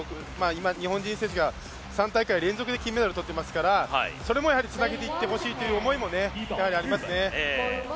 今、日本人選手が３大会連続で金メダルを取っていますからそれも、やはりつなげていってほしいなという思いも、やはりありますね。